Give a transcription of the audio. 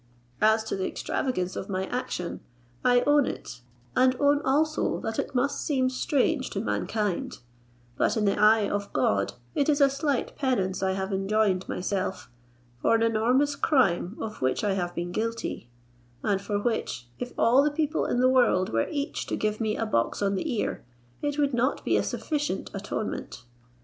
"As to the extravagance of my action, I own it, and own also that it must seem strange to mankind; but in the eye of God it is a slight penance I have enjoined myself for an enormous crime of which I have been guilty, and for which, if all the people in the world were each to give me a box on the ear, it would not be a sufficient atonement.